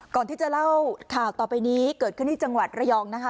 ก่อนที่จะเล่าข่าวต่อไปนี้เกิดขึ้นที่จังหวัดระยองนะคะ